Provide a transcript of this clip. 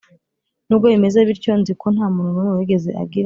nubwo bimeze bityo, nzi ko ntamuntu numwe wigeze agira